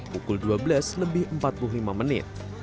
pukul dua belas lebih empat puluh lima menit